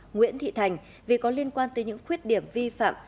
nguyễn thị thành vì có liên quan tới những khuyết điểm vi phạm